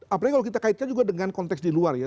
apalagi kalau kita kaitkan juga dengan konteks di luar ya